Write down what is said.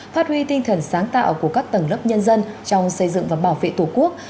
phát huy tinh thần sáng tạo của các tầng lớp nhân dân trong xây dựng và bảo vệ tổ quốc